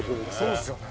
そうですよね。